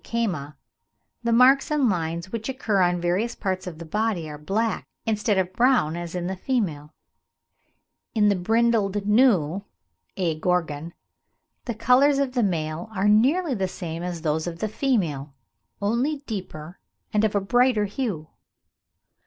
caama, the marks and lines which occur on various parts of the body are black, instead of brown as in the female; in the brindled gnu (A. gorgon) "the colours of the male are nearly the same as those of the female, only deeper and of a brighter hue."